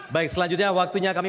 baik selanjutnya waktunya kami